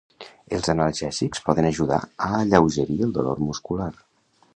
Els analgèsics poden ajudar a alleugerir el dolor muscular.